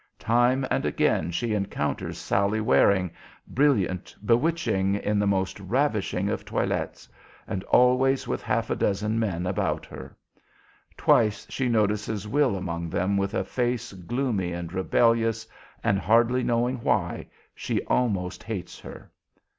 Time and again she encounters Sallie Waring, brilliant, bewitching, in the most ravishing of toilets, and always with half a dozen men about her. Twice she notices Will among them with a face gloomy and rebellious, and, hardly knowing why, she almost hates her.